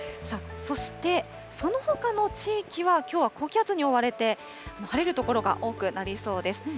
そしてそのほかの地域は、きょうは高気圧に覆われて、晴れる所が多くなりそうです。